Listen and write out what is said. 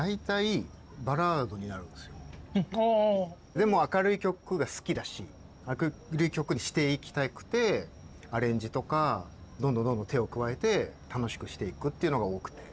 でも明るい曲が好きだし明るい曲にしていきたくてアレンジとかどんどんどんどん手を加えて楽しくしていくっていうのが多くて。